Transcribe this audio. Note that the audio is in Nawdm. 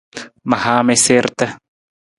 Ma haa mi siirta.